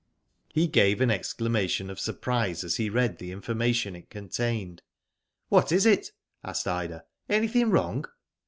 He gave an exclamation qf surprise, as he read the information it contained. ''What is it?" asked Ida. ''Anything wrong?"